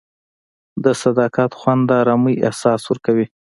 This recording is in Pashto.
د صداقت خوند د ارامۍ احساس ورکوي.